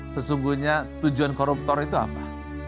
sesungguhnya tujuan koruptor itu apa